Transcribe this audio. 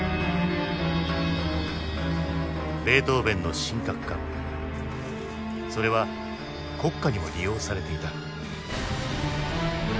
ベートーヴェンの神格化それは国家にも利用されていた。